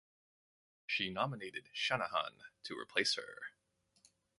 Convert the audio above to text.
She nominated Shanahan to replace her.